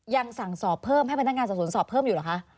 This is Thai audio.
ยังสั่งสอบเพิ่มให้พนักงานสอบสวนสอบเพิ่มอยู่เหรอคะ